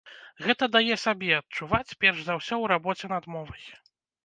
Гэта дае сабе адчуваць перш за ўсё ў рабоце над мовай.